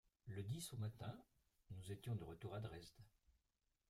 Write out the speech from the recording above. Le dix au matin nous étions de retour à Dresde.